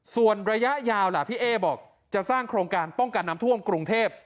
ส่วนระยะยาวล่ะพี่เอ๊บอกจะสร้างโครงการป้องกันน้ำท่วมกรุงเทพ